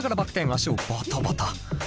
足をバタバタ。